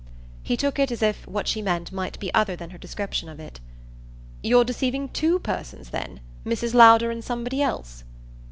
He took it as if what she meant might be other than her description of it. "You're deceiving TWO persons then, Mrs. Lowder and somebody else?"